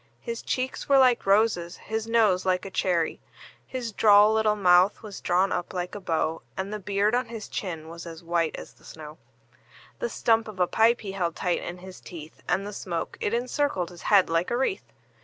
His cheeks were like roses, his nose like a cherry; His droll little mouth was drawn up like a bow, And the beard on his chin was as white as the snow; The stump of a pipe he held tight in his teeth, And the smoke, it encircled his head like a wreath.